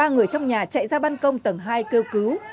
ba người trong nhà chạy ra ban công tầng hai kêu cứu